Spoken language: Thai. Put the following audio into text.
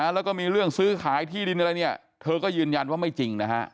แล้วก็มีเรื่องซื้อขายที่ดินอะไรเนี่ยเธอก็ยืนยันว่าไม่จริงนะฮะ